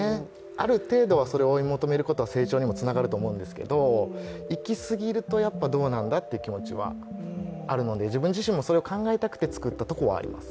ある程度は、それを追い求めることは成長にもつながると思うんですが行き過ぎると、やっぱりどうなんだという気持ちはあるので、自分自身もそれを考えたくて作ったところはあります。